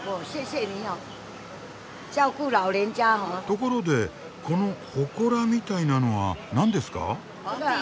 ところでこのほこらみたいなのは何ですか？